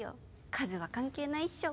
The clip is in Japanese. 数は関係ないっしょ。